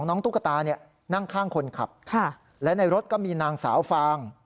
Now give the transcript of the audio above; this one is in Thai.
ตุ๊กตาเนี่ยนั่งข้างคนขับและในรถก็มีนางสาวฟาง